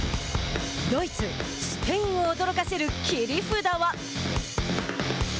ドイツ、スペインを驚かせる切り札は？